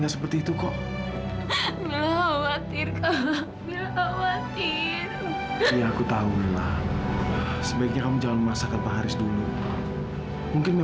sampai jumpa di video selanjutnya